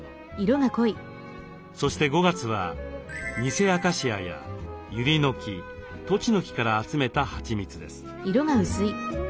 そして５月はニセアカシアやユリノキトチノキから集めたはちみつです。